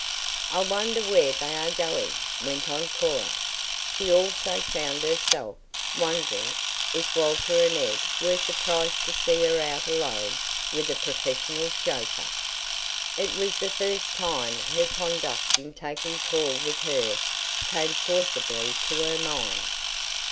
"I wonder where they are going?" went on Cora. She also found herself wondering if Walter and Ed were surprised to see her out alone with a professional chauffeur. It was the first time her conduct in taking Paul with her came forcibly to her mind.